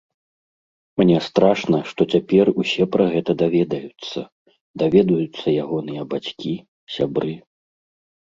Мне страшна, што цяпер усе пра гэта даведаюцца, даведаюцца ягоныя бацькі, сябры.